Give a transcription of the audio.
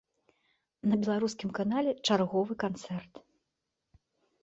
На беларускім канале чарговы канцэрт.